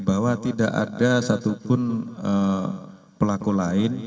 bahwa tidak ada satupun pelaku lain